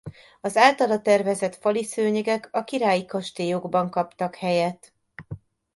Az általa tervezett faliszőnyegek a királyi kastélyokban kaptak helyet.